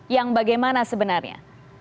yang bagaimana sebenarnya